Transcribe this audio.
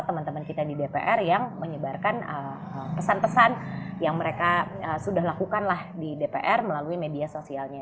teman teman kita di dpr yang menyebarkan pesan pesan yang mereka sudah lakukan lah di dpr melalui media sosialnya